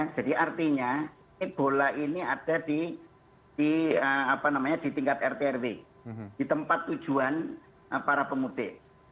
jadi artinya bola ini ada di tingkat rtrw di tempat tujuan para pemudik